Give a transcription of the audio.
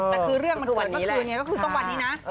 แต่คือเรื่องเกิดวันนี้ตรงวันนี้นะ